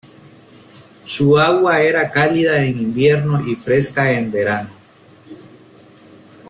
Su agua era cálida en invierno y fresca en verano.